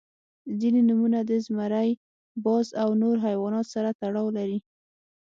• ځینې نومونه د زمری، باز او نور حیواناتو سره تړاو لري.